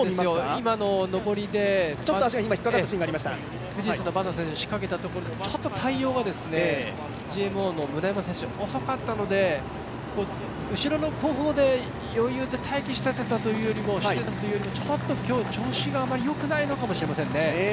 今の上りで富士通の坂東選手仕掛けたところでちょっと対応がＧＭＯの村山選手、遅かったので後ろの後方で余裕で待機していたというよりも、ちょっと今日、調子があまりよくないのかもしれないですね。